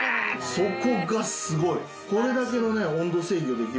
そこがすごい！